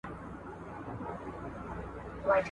هغوی خپلي سرچينې ضايع کړي وې.